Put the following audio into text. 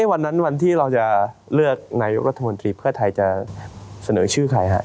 วันนั้นวันที่เราจะเลือกนายกรัฐมนตรีเพื่อไทยจะเสนอชื่อใครฮะ